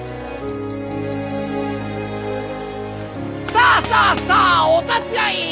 さあさあさあお立ち会い！